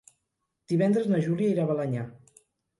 Divendres na Júlia irà a Balenyà.